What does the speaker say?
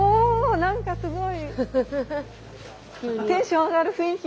何かすごい！